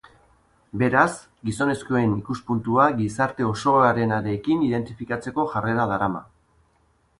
Beraz, gizonezkoen ikuspuntua gizarte osoarenarekin identifikatzeko jarrera darama.